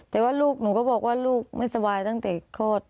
แต่ว่าลูกหนูก็บอกว่าลูกไม่สบายตั้งแต่คลอด